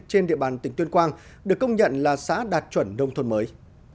trên địa bàn tỉnh tuyên quang được công nhận là xã đạt chuẩn nông thôn mới